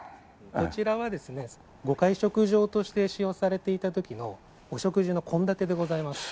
こちらはですねご会食所として使用されていた時のお食事の献立でございます。